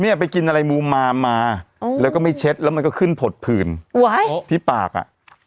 ไปกินอะไรมูมามาแล้วก็ไม่เช็ดแล้วมันก็ขึ้นผดผื่นที่ปากอ่ะ